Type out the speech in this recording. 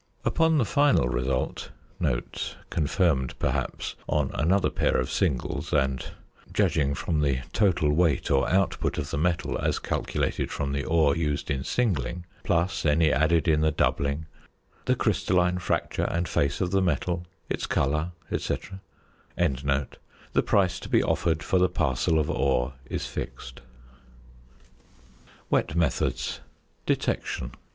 Upon the final result (confirmed perhaps on another pair of singles, and, judging from the total weight or output of the metal as calculated from the ore used in "singling," plus any added in the "doubling," the crystalline fracture and face of the metal, its colour, etc.) the price to be offered for the parcel of ore is fixed. WET METHODS. ~Detection.